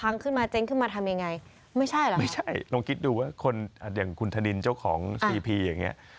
อันนี้ความเสี่ยงเนี่ย